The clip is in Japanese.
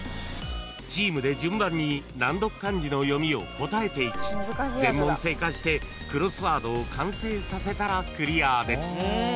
［チームで順番に難読漢字の読みを答えていき全問正解してクロスワードを完成させたらクリアです］